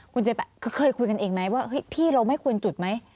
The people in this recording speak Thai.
คุณเจมส์แบบเคยคุยกันเองไหมว่าพี่เราไม่ควรจุดไหม